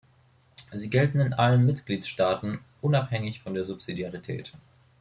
Sie gelten in allen Mitgliedstaaten, unabhängig von der Subsidiarität.